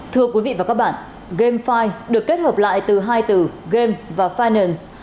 thưa quý vị và các bạn gamefi được kết hợp lại từ hai từ game và finance